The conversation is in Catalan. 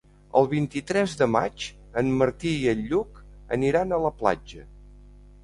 El vint-i-tres de maig en Martí i en Lluc aniran a la platja.